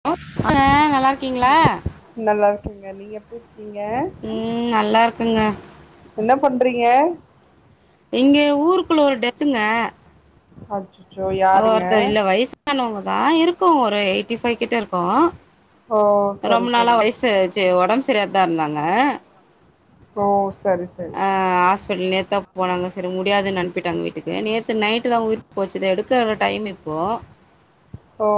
[unintelligible] நல்லா இருக்கீங்களா நல்லா இருக்கீங்க நீங்க எப்டி இருக்கீங்க ம் நல்லா இருக்கேங்க என்ன பண்றீங்க இங்கே ஊருக்குள்ள ஒரு டெத்துங்க அச் ஒ ஒருத்தரு இல்ல வய்ஸ் வயசானவங்க தா இருக்கு ஒரு எயிட்டி ஃபை கிட்ட இருக்கு ஓ சரி ரொம்ப நாளா சரி வய்சு [unintelligible] ஒடம்பு சரியா தா இருந்தாங்க ஓ சரி ச ஆ ஹாஸ்பிட்டல் நேத்து தா போனாங்க சரி முடியாதுன்னு அனுப்பிட்டாங்க வீட்டுக்கு நேத்து நைட்டு தா உயிர் போச்சிது எடுக்கற டைம் இப்போ ஓ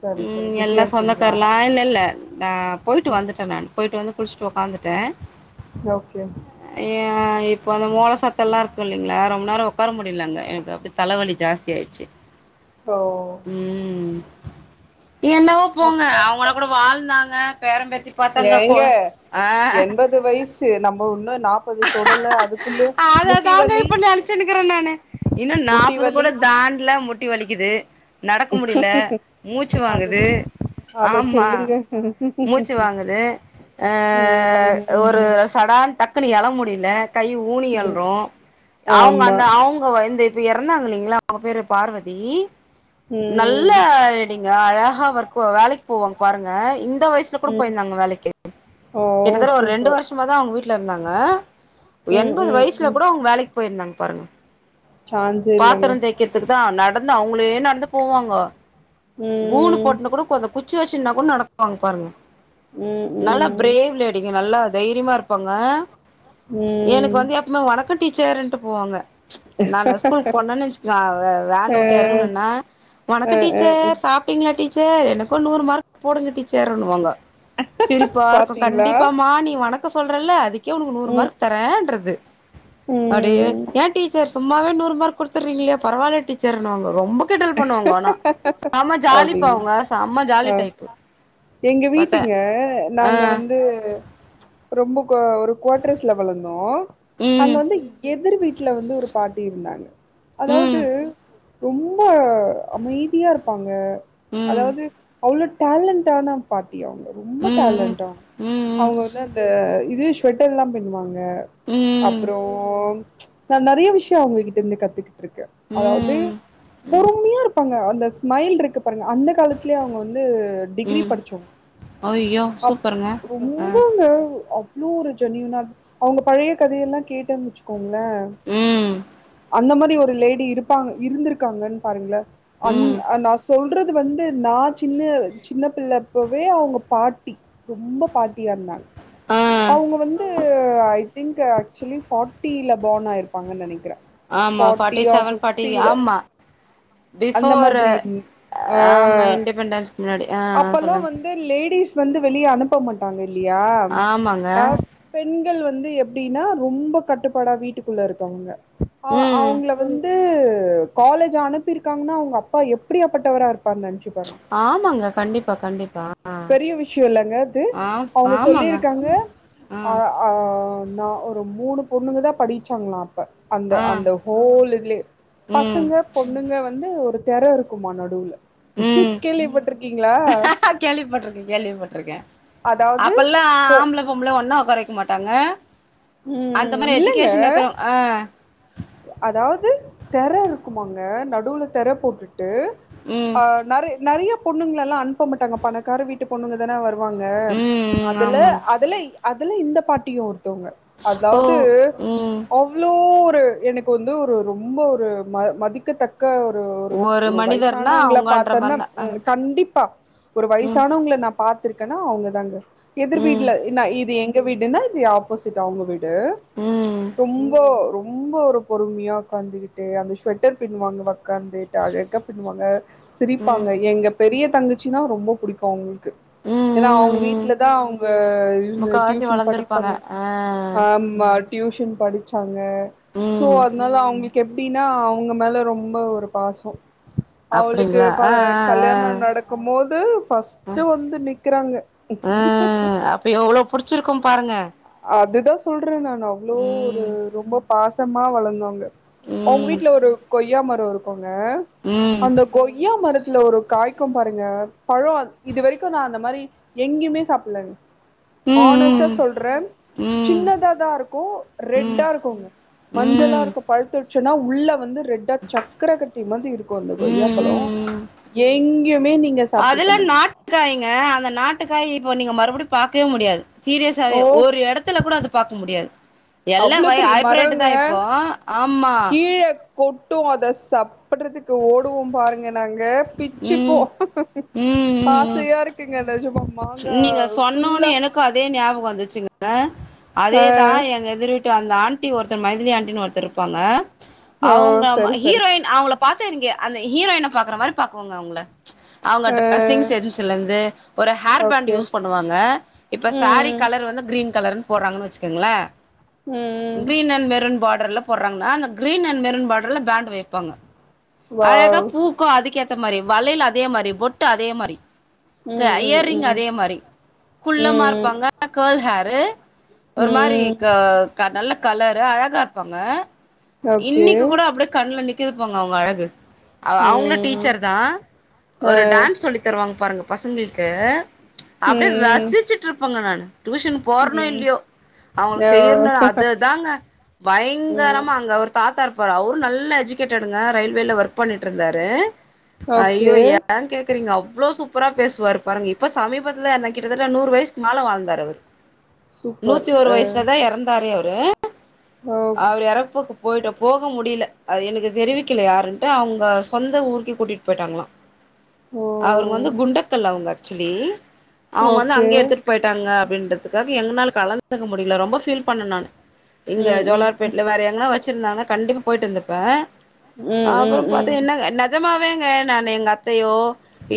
சரி சரி ம் பிஸியா எல்லா இருக்கீங்களா சொந்தக்காரலா இல்ல இல்ல நா போய்ட்டு வந்துட்டே நானு போய்ட்டு வந்து குளிச்சிட்டு உக்காந்துட்டே ஓகே அ இப்போ அந்த மோள சத்தோல்லா இருக்கு இல்லைங்ளா ரொம்ப நேரோ உக்கார முடியல அங்க எனக்கு தலவலி ஜாஸ்தியாயிருச்சு ஓ உம் என்னவ் போங்க அவுங்கனா கூட வாழ்ந்தாங்க பேரம் பேத்தி பாத்தாங்க கோ ஆ ப்பது வயஸ் த்து நம்ம இன்னு நாப்பது தொடல்ல அது அததாங்க இப்ப நெனைச்சுகிட்டுருக்க நானு இன்னு முட்டி நாப்பது வலி கூட தாண்டல மு முட்டி வலிக்குது நடக்க முடில மூச்சு வாங்குது ஆமா ம் மூச்சு வாங்குது ஆ ம் ஒரு ம் சடான் டக்குன்னு எழ முடில கை ஊனி ம் எழ்றோ ஆமா ங்கோ இந்த இப்ப இறந்தாங்க இல்லைங்ளா அவுங்க பேரு பார்வதி ம் நல்லா லேடிங்க அழகா ஒர்க் வேலைக்கு போவாங்க பாருங்க இந்த வயசுல கூட ம் போயிருந்தாங்க வேலைக்கு ஓ கிட்டத்தட்ட ஒரு ரெண்டு சூப்பர் வருஷமா தா அவுங்க வீட்ல இருந்தாங்க ம் எண்பது ம் வயசுல ம் கூட அவுங்க வேலைக்கு போயிருந்தாங்க பாருங்க சான்ஸே இல்லங்க பாத்திரந் தே விக்கிறதுக்குதா நடந்து அவுங்ளே நடந்து போவாங்க ம் கூணு போட்னு கூட கொ அந்த குச்சி வச்சுனா கூட நடக்குவாங்க பாருங்க ம் நல்ல ம் பிரேவ்லேடிங்க நல்லா தைரியமா இருப்பாங்க ம் எனக்கு வந்து சும்மா வணக்கோ டீச்சர்ன்ட்டு போவாங்க நானா ஸ்கூல் போனன்னு வெச்சுக்கோங்க வே வேன் அ விட்டு எறங்கனுனனா அ வணக்க அ டீச்சர் அ சாப்ட்டிங்களா டீச்சர் எனக்கும் நூறு மார்க் போடுங்க டீச்சர்ன்னுவாங்க சேரிப்பா இருக்கு பாத்தீங்களா கண்டிப்பாமா நீ வணக்கோ சொல்றல்ல அதுக்கே உனக்கு நூறு மா ம் தர்றன்றது அப்டியே ம் ஏன் டீச்சர் சும்மாவே நூறு மார்க் குடுத்திர்ங்ளே பரவால்ல டீச்சர்னுவாங்கோ ரொம்போ கிட்டல் பண்ணுவாங்கோ ஆனா செம ஜாலிப்பா அப்டிங்க அவுங்க செம ஜாலி ஆ டைப் எங்க வீட்டுங்க ஆ நாங்க வந்து ரொம்ப ஒரு குவா்டர்ஸ்ல வளந்தோ அங்க ம் வந்து எதிர் வீட்ல வந்து ஒரு பாட்டி இருந்தாங்க அதாவது ம் ரொம் ரொம்ப அமைதியா இருப்பாங்க ம் ம் அதாவது அவ்ளோ டேலண்ட்டான பாட்டி அவுங்க ரொம்ப ம் ம் டேலண்ட்டு அவுங்க ம் ம் அவுங்க வந்து அந்த இது சுவாட்டர் எல்லாம் பிண்ணுவாங்க ம் அப்றோ நா நெறைய விஷ்யோ அவுங்ககிட்ட இருந்து கத்து இருக்கு அதாவது ம் ம் ப்பாங்க அந்த ஸ்மைல் இருக்கு பாருங்க அந்த காலத்துலயே அவுங்க வந்து டிகிரி ம் படிச்சோங் அய்யோ அப் சூப்பருங்க ஆ ரொம்பங்க அவ் அவ்ளோ ஒரு ஜெனுயினா அவங்க பழைய கதையெல்லா கேட்டனு வச்சுக்கோ க்கும்ல ம் அந்த மாரி ஒரு லேடி இருப்பாங்க இருந்துருக்காங்கன்னு பாருங்கள அன் ம் நா சொல் சொல்றது வந்து நா சின்ன சின்ன பிள்ளப்பவே அவுங்க பாட்டி ரொம்ப பாட்டியா இருந்தாங்க ஆ அவுங்க வந்து ஐ திங்க் ஆக்சுவலி ஃபார்ட்டில பார்ன் ஆயிருபாங்கனு நெனைக்கிற ஆமா ஃபார்ட்டி ஃபார்ட்டியா செவன் ஃபார்ட்டி ஃபிஃப்டில ஆமா அந்த பிஃபோர் மாதிரி இரு ஆ ஆமா இண்டிபெண்டன்ஸ்க்கு முன்னாடி ஆ அப்பல்லா சொல்லுங்க வந் ஏ லேடிஸ் வந்து வெளிய அனுப்ப மாட்டாங்க இல்லையா ஆமாங்க அ பெண்கள் வந்து எப்டின்னா ரொம்ப கட்டுப்பாடா வீட்டுக்குள்ள இருக்கவங்க அ ம் அவுங்கள வந்து காலேஜ் ஆன அனுப்பிருக்காங்கன்னா அவுங்க அப்பா எப்டியாப்பட்டவரா இருப்பாரு நெனச்சு இங்கபாரு ஆமாங்க கண்டிப்பா கண்டிப்பா ஆ பெரிய விஷ்யோ இல்லங்க அது அவுங்க சொல்லிருக்காங்க ம் ஆ ஆ நா ஒரு மூணு பொண்ணுங்க தா படிச்சாங்களா அப்ப அந்த ஆ அந்த ஹோல் இதுல்லே ம் பசங்க பொண்ணுங்க வந்து ஒரு தேர இருக்குமா நடுவுல ம் கேள்விப்பட்டிருக்கீங்களா கேள்விப்பட்டிருக்கே கேள்விப்பட்டிருக்கே அதாவது அப்பல்லா போ ஆம்ள பொம்பள ஒன்னா உக்கார வெக்க மாட்டாங்க அந்த ம் மாரி இல்லங்க எஜுகேஷன் இருக்கிறோ அ அதாவது தெர இருக்குமாங்க நடுவுல தெர போட்டுட்டு ம் அ நெரே நெறைய பொண்ணுங்கள எல்லா அனுப்ப மாட்டாங்க பணக்கார வீட் ட்டு பொண்ணுங்கதான வருவாங்க ம் ம் அதுல ஆமாங் அதுல அதுல இந்த பாட்டியு ஒருத்தவுங்க ஓ அதாவது ம் ஓம் அவ்ளோ ஒரு எனக்கு வந்து ஒரு ரொம்ப ஒரு ம மதிக்கத்தக் க ஒரு ஒரு ஒரு மனிதர்னா வயசானவங்கள அவங்கன்ற பாத்தன்னா மாரினா அ ம் கண்டிப்பா ஒரு ம் வயிசானவங்கள நா பாத்துருக்கேன்னா அவங்க தாங்க எதிர் ம் வீட்ல நா இது எங் ங்க வீடுனா இது ஆப்போசிட் அவங்க வீடு ம் ரொம்போ ரொம்போ ப பொறுமையா உக்காந்துகிட்டு அந்த ஸ்வெட்டர் பின்னுவாங்க வக்காந்துட்டு அழகா பின்னுவாங்க ம் ம் சிரிப்பாங்க எங்க பெரிய தங்கச்சினா ரொம்ப புடிக்கூ அவுங்ளுக்கு ம் ஏனா அவுங்க ம் வீட்லதா அவுங்க இவங்க முக்காவாசி டியூஷன் வளர்ந்துருப்பாங்க படிப்பாங்க ஆ அம் மா டியூஷன் படிச்சாங்க சோ ம் அதனால அவுங்ளு கெப்டின்னா அவங்க மேல ரொம்ப ஒரு பாசோ அவுளுக்கு அப்டிங்களா ப ஆ ஆ ஆ கல்யாண நடக்குமோது ஃபஸ்ட்டு வந்து நிக்கிறாங்க அ அப்ப எவ்ளோ புடிச்சிருக்கூ பாருங்க அதுதா சொல்ற நானு அவ்ளோ ஒரு ம் ரொம்பப் பாசமா வளர்ந்தோங்க அவங்க ம் வீட்டுல ஒரு கொய்யா மர இருக்குங்க ம் அந்த கொய்யா மரத்துல ஒரு காய்க்கு பாருங்க பளோ இது வரைக்கு நா அந்த மாரி எங்கியுமே சாப்லங் ம் ஹானஸ்ட்டா ம் சொல்ற ம் சின்னதா தா இருக்கு ம் ரெட்டா இருக்குங்க மஞ்சளா ம் இருக்கு பழுத்துடுச்சுன்னா உள்ள வந்து ரெட்டா சக்கரகட்டி மாதி இருக்கு அந்த கொய்யாப்பழோ ம் எங்கியுமே நீங்க சாப்டிருக்க மாட்டிங் க்காய்ங்க அந்த நாட்டுக்காய் இப்போ நீங்க மறுபடியு பாக்கே முடியாது ஓ சீரியஸ்ஸாவே ஒரு எடத்துல கூட அது பாக்க முடியாது எல்லா அவ்வளோ வை பெரிய ஹைப்ரேட் மரோங்க தா இப்போ ஆமா கீழ கொட்டு அத சாப்டறதுக்கு ஓடுவோ பாரு ங்க நாங்க பிச்சுபோ ம் ம் ம் ம் ஆசயா இருக்குங்க நெஜமா மாங்கா ஃபுல்லா இதே ஞாபக வந்துருச்சு ங்க ஆ அதேதா எங்க எதிர் வி அந்த ஆண்டி ஒருத்தர் மைதிலி ஆண்டனு ஒருத்தர் இருப்பாங்க ஓ அவங்க சரி சரி ஹீரோயின் அவங்கள பாத்தா எனக்கு அந்த ஹீரோயனை பாக்கற மாரி பாக்குவோங்க அவுங்கள அவங்க ஆ ட்ரெஸ்ஸிங் சென்ஸ்ல இருந்து ஒரு ஹேர் பேண்ட் ஓகே யூஸ் பண்ணுவாங்க இப்ப சாரி ம் கலர் வந்து கிரீன் கலர் போடுறாங்க வச்சுக்கோங்களா ம் கிரீன் அண்ட் மெரன் பாடர்ல போற்றாங்கா அந்த கிரீன் அண் மெருன் பாட்ர்ல பேண்டு வெப்பாங்க அழகா வாவ் பூக்கு அதுக்குஏத்த மாரி வளையல் அதே மாரி பொட்டு அதே மாரி க ம் ம் இயரிங் ம் அதே மாரி குள்ளமா ம் இருப்பாங்க கர்ல் ஹேர்ரு ஒரு மாரி ம் நல்ல கலரு அழகா இருப்பாங்க ஓகே இன்னிக்கு கூட அப்டியே கண்ல நிக்குதுப்போங்க அவங்க அழகு ஆ அவுங்களு ம் டீச்சர் தா ஆ ஒரு டான்ஸ் சொல்லி தருவாங்க பாருங்க பசங்களுக்கு அப்டியே ம் ரசிச்சுட்டு இருப்பங்க நானு டியூஷன் போறனோ ம் இல்லியோ அவுங்களுக்கு செய்யணு ஓ அதுதாங்க ம் பயங்கரமாங்க தாத்தா இருப்பாரு அவரு நல்ல எஜுகேட்டடுங்க ரயில்வேல ஒர்க் பண்ணிட்டு இருந்தாரு ஐய்யோ எ கேக் த்திருங்க அவ்ளோ சூப்பரா பேசுவார்ரு பாருங்க இப்ப சமீபத்தில என்ன கிட்ட தட்ட நூறு வயசுக் மேல வாழ்ந்தாரு அவரு நூத்தி ஒரு வயசுல தான் இறந் தாரு அவரு அவர் இறப்புக்கு போயிட்டு போக முடில அது எனக்கு தெரிவிக்கல யாருன்ட்டு அவங்க சொந்த ஊருக்கே கூட்டிட் போய்ட்டாங்களா அவங்க வந்து குண்டக்கல் அவுங்க ஆக்சோலி அவங்க வந்து அங்கயே எடுத்துட்டு போய்ட்டாங்க அப்டின்றதுக்காக எங்கனால கலந்துக்க முடில ரொம்ப ஃபீல் பண்ண நானு இங்க ம் ம் ம் ம் ஜோலார்பேட்ல வேற எங்கனா வச்சுருந்தாங்னா கண்டிப்பா போயிட்டு இருந்துருப்பே ம் அப்றம் பாத்து ம் என்ன நெஜமாவேங்க நானு எங்க அத்தையோ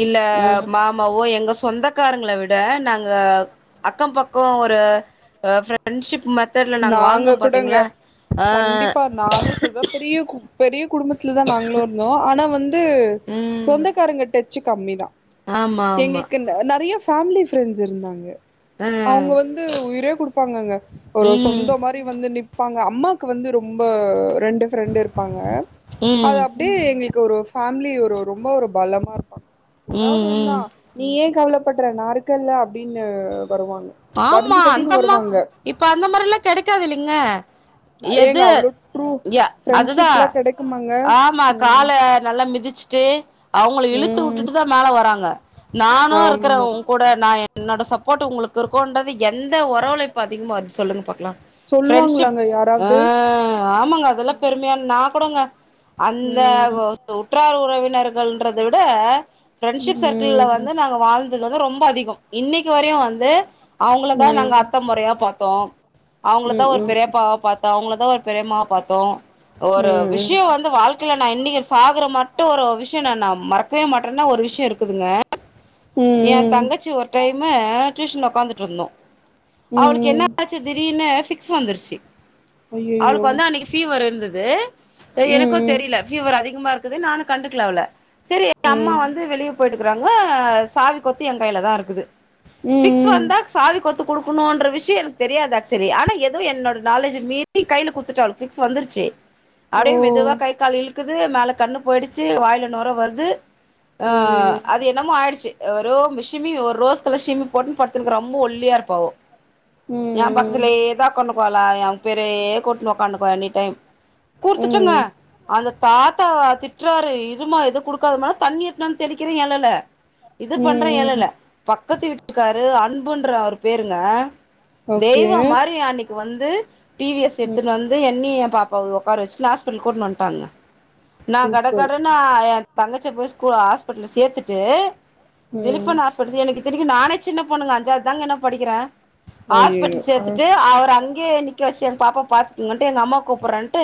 இல்ல ம் மா மாவோ எங்க சொந்தக்காரங்கள விட நாங்க அக்கம் பக்கம் ஒரு ஃப்ரெண்ட்ஷிப் மெத்தட்ல நாங்க வாழ்ந்தோம் பாத்தீங்களா ஆ கண்டிப்பா நானு சொல்வே பெரிய கு பெரிய குடும்பத்ல தான் நாங்களுருந்தோம் ஆனா வந்து ம் சொந்தக்காரங்கட்ட ஞ்சம் கம்மி தான் ஆமா ஆமா. எங்கள்க்கு நெறைய பேமிலி ப்ரெண்ட்ஸ் இருந்தாங்க ஆ அவுங்க வந்து உயிரே குடுப்பாங்கங்க ஒரு சொந்தோ ம் மாரி வந்து நிப்பாங்க அம்மாக்கு வந்து ரொம்ப ரெண்டு ப்ரெண்டு இருப்பாங்க ம் அப்டே எங்ளுக்கு ஒரு ஃபேமிலி ஒரு ரொம்ப ஒரு பலமாருப்பாங்க எதாவது ம் உன்னா ம். நீ ஏ கவலப்பட்ற நாருக்கேல்ல அப்டின்னு வருவாங்க ஆமா வரிஞ்சு கட்டின்னு அந்தம்மா வருவாங்க இப்ப அந்த மாரிலாம் கெடைக்காது இல்லைங்க ஏங்க எது அவ்ளோ ட்ரூ யா அதுதா ஃப்ரெண்ட்ஷிப்லா கெடைக்குமாங்க ஆமா ம் கால நல்லா மிதிச்சுட்டு அவுங்கள இழுத்து ம் உட்டுட்டு தா மேல வராங்க நானும்ருக்குரே ஆமா உன் கூட நான் என்னோட சப்போட்டு உங்களுக்கு [unintelligible] கோண்டது எந்த உறவுழையும் பாத்திங் பாத்து சொல்லுங்க பாக்கலாம் ஃப்ரெண்ட்ஷிப் சொல்லுவாங்களாங்க ஆ யாராவது ஆமாங்க அதெலாம் பெருமையான நான் கூடங்க அந்த ம் உற்றார் உறவினர்கள விட பிரெண்ட்ஷிப் சர்க் கில்ல ம் வந்து நாங்க வாழ்ந்துது வந்து ரொம்ப அதிகம் இன்னைக்கு வரையும் வந்து அவுங்கள தா நாங்க ம் அத்த மொறையா பாத்தோம் அவுங்கள தா ம் ஒரு ம் பெரியப்பாவா பாத் தோம் அவுங்கள தா ஒரு பெரியமாவ பாத்தோம் ம் ஒரு ம் விஷயம் வந்து வாழ்க் கும் நான் இன்னைக்கு சாகுற மட்டும் ஒரு விஷயம் நான் நான் மறக்கவே மாட்டேன்னா ஒரு விஷயம் இருக்குதுங்க ம் ஏ ம் ம் தங்கச்சி ஒரு டைமு டியூஷன்ல்ல உக்காந்துட்ருந்தோம் அவளுக்கு ம் என்ன ஆச்சு திடீர்னு ஃப்பிக்ஸ் வந்துருச்சு ஐயையோ அவளுக்கு வந்து அன்னைக்கு ஃப்விர் இருந்தது ம் எனக்கும் ம் தெரில ஃப்பிவர் அதிகமா இருக்குது நானும் கண்டுக்கல அவள சேரி அம்மா ம் வந்து வெளிய போயிட்டுக்றாங்க சாவி கொத்து என் கைல தா இருக்குது ம் ஃபிக்ஸ் ம் வந்தா சாவி கொத்து குடுக்கணுன்ற விஷயம் எனக்கு தெரியாது ஆக்சுவலி ஆனா எதும் என்னோட நாலேஜ் மீறி கைல குடுத்துட்டு அவளுக்கு ஃப்க்ஸ் வந்துருச்சு ஓ அப்டியே மெதுவா கை கால் இழுக்குது மேல கண்ணு போய்டுச்சு வாயில நொற வருது ஆ ஐயையோ அது என்னமோ ஆயிடுச்சு ரோ சிமி ஒரு ரோஸ் கலர் சிமி போட்டுன்னு படுத் துன்னு ரொம்போ ஒல்லியா இருப்பாஅவோ ம் ஏன் ம் பக்கத்துலேதான் உக்காந்துக்குவா லாம் ஏ பேரே கூட்னு உக்காந்துக்வா எனி டைம் கூட்த்துட்டேங்க ம் அந்த தாத் தா வா திட்றாரு இருமா இது குடுக்காதமானு தண்ணி எடுத்தாந்து தெளிக்கிறேன் எழல இது ம் பண்றேன் ம் எழல பக்கத்து வீட்டுக்காரு அன்புன்ற அவரு பேருங்க ஓகே தெய்வொ மாரி அன்னிக்கு வந்து டி வி எஸ் ம் எட்த்துன் வந் து என்னையும் ஏன் பாப்பவ உக்கார வச்சுட்டு ஹாஸ்பிட்டல் கூட்னு வன்ட்டாங்க நான் கட சூப்பர் கடன் நா ஏ தங்கச்ச போய் ஸ்கூலு ஹாஸ்பெட்டில்ல சேத்துட்டு ம் திலிபன் ஹாஸ்பிட்சி எனக்கு இத்தனைக்கு நானே சின்ன பொண்ணுங்க அஞ்சாவதுதாங்க நா படிக்கிறேன் ஐயையோ ஹாஸ்பெட்டல் சேத்துட்டு ஆ அவரு அங்க அங்கியே நிக்க வச்சு என் பாப்பா பாத்துக்குங் கன்டு எங்க அம்மா கூப்புட்றன்ட்டு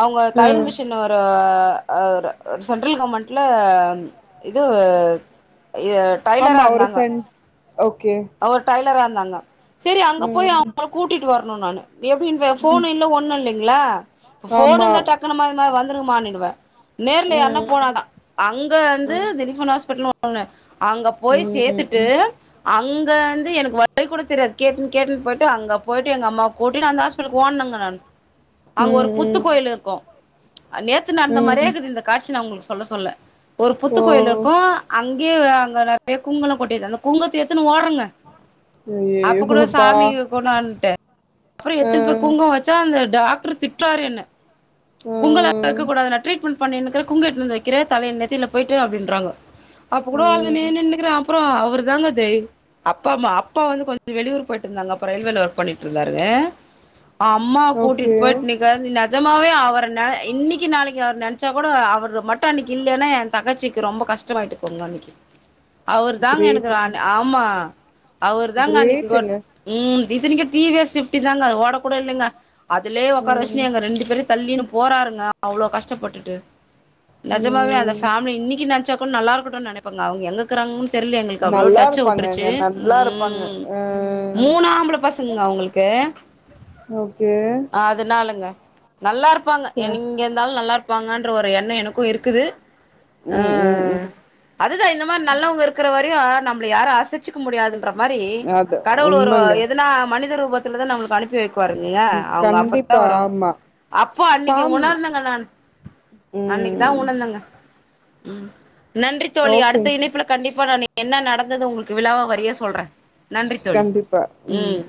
அவங்க தையல் மெஷின் ஆ அவுரு சென்ட்ரல் கவர்மெண்ட்ல இது இயர் ஆமா அவரு சென் ஓகே அவரு டைலரா இருந்தாங்க சரி அங்க போயி ம் அவங்கள கூட்டிட்டு வரணு நானு எப்டின்ப ம் ஃபோனு இல்ல ஒண்ணு இல்லிங்க்ளா இப்ப ஃபோனு ஆமா இருந்தா டக்குனு எம்மா எம்மா வந்துருமாடுவே நேருல யாருண்ணா ம் போனாதா அங்க வந்து ம் ஜெனிபன் ஆஸ்பிட்டல்னு ஒன்னு அங்க போயி சேத்துட்டு ம் அங்க வந்து எனக்கு வழி கூட தெரியாது கேட்டுனு கேட்டுனு போயிட்டு அங்க போயிட்டு எங்க அம்மாவ கூட்டினு அந்த ஆஸ்பிட்டலுக்கு ஓடுனங்க நானு அங்க ஒரு புத்து ம் ம் கோயிலு இருக்கு நேத்து நடந்த மாரியே ம். இருக்குது இந்த காட்சி நா ஒங்களுக்கு சொல்ல சொல்ல ஒரு புத்து ஓ கோயிலு இருக்கு அங்கியே அ அங்க நெறையா குங்குலா கொட்டிருந்தது அந்த ககுங்குத்த எத்துனு ஓடுறங்க அப்ப கூட ஐயையோப்பா சாமிய கொண்வன்ட்டே அப்றோ ஆ எத்துனு போய் குங்கும வச் சா அந்த டாக்ட்ரு திட்றாரு என்ன ஆ குங்கலா வெக்கக்கூடாது நா ட்ரீட்மெண்ட் பண்ணினுக்குற குங்க எத்துனந்து வைக்கிற தலைய நெத்தியில போயிட்டு அப்டின்றாங்கோ அப்போ கூடோ அழுனே ம் நின்னுக்கிறே அப்புறோ அவருதாங்க தெய் அப்பா அம்மா அப்பா வந்து கொஞ்சோ வெளியூர் போயிட்டு இருந்தாங்க அப்ப ரயில்வேல ஒர்க் பண்ணிட்டு இருந்தாருங்க அம்மாவ கூட்டிட்டு ஓகே போயிட்டு நிக் காந்தி நெஜமாவே அவர இன்னிக்கு நாளைக்கு அவர நென்ச்சா கூடோ அவரு மட்டு அன்னிக்கு இல்லேன்னா தங்கச்சிக்கு ரொம்ப கஷ்டமாயிட்டு இருக்குங்க அன்னிக்கு அவரு தாங்க எனக்கு கிரேட்டுங்க அன் ஆமா அவரு தாங்க அன்னைக்கு கொ கிரேட்டுங்க ம் இத்தினைக்கு டி வி எஸ் பிஃப்டி தாங்க அது ஓட கூட இல்லங்க அதுலயே ஒக்கார ம் வஷ்டு எங்க ரெண்டு பேர தள்ளின்னு போறாருங்க அவ்ளோ கஷ்டப்பட்டுட்டு நெஜமாவே அந்த ம் பேமிலி இன்னிக்கு நெனச்சாக்கு நல்லா இருக்குட்டுனு நெனைப்பேங்க அவுங்க எங்க இருக்றாங்கனு தெரிலேங்க ங்களுக்கு அவ்ளோ நல்லா டச்சு விட்டுருச்சு இருப்பாங்கங்க நல்லா இருப்பாங்க ம் ஆ மூணு ஆம்பள பசங்கங்க அவுங்களுக்கு ஓகே அதுனாலங்க நல்லா இருப்பாங்க ச என் எங்க இருந்தாலு நல்லா இருப்பாங்கன்ற ஒரு எண்ணோ எனக்கு இருக்குது ம் ம் ம் அதுதா இந்த மாரி நல்லவங்க இருக்ற வரையு நம்மள யாரு அசைச்சிக்க முடியாது ப்ர மாரி அது கடவுள் ஒரு உண்மங்க எதுனா மனித ரூபத்திலதா நம்மளுக்கு அனுப்பி வைக்கு அனுப்புவாரு இல்லியா ம் அவுங்க அப்பதா கண்டிப்பா வருவாங்க ஆமா அப்ப அன்னிக்கு சாம் உணர்ந்தங்க நானு அன்னிக்குதா ம் உணர்ந்தங்க ம் நன்றி தோழி ஓகே அடுத்த இணைப்புல கண்டிப்பா நானு என்ன நடந்தது உங்களுக்கு விளாவரியா சொல்றே நன்றி தோழி ம்